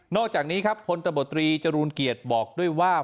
อกจากนี้ครับพลตบตรีจรูลเกียรติบอกด้วยว่า